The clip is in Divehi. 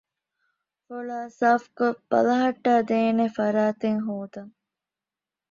ފޮޅައި ސާފުކޮށް ބަލަހައްޓައިދޭނެ ފަރާތެއް ހޯދަން